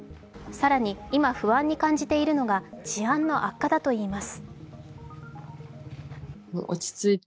更に、今、不安に感じているのが治安の悪化だといいます。